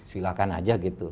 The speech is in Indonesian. silahkan aja gitu